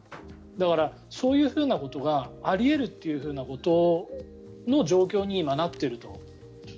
だから、そういうことがあり得るということの状況に今、なっていると。